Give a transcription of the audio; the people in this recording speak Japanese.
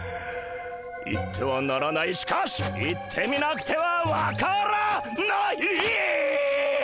行ってはならないしかし行ってみなくては分からない！